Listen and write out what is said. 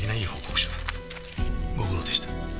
ご苦労でした。